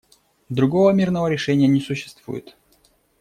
Другого мирного решения не существует.